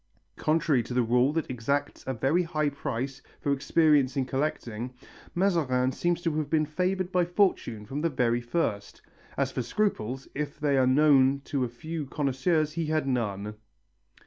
Contrary to the rule that exacts a very high price for experience in collecting, Mazarin seems to have been favoured by fortune from the very first; as for scruples, if they are known to a few connoisseurs he knew none.